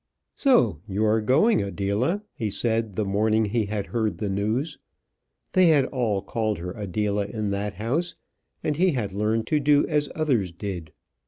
"So you are going, Adela?" he said the morning he had heard the news. They had all called her Adela in that house, and he had learned to do as others did.